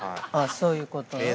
◆あそういうこと。